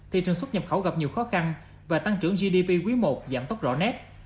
thị trường xuất nhập khẩu gặp nhiều khó khăn và tăng trưởng gdp quý i giảm tốc rõ nét